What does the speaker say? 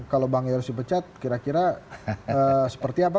kalau bang yoris dipecat kira kira seperti apa